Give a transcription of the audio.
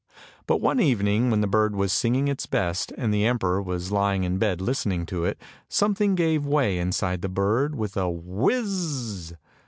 But one evening when the bird was singing its best, and the emperor was lying in bed listening to it, something gave way inside the bird with a " whizz."